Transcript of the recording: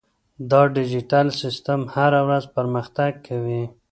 دا ډیجیټل سیستم هره ورځ پرمختګ کوي.